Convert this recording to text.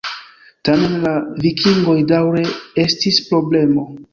Tamen la vikingoj daŭre estis problemo.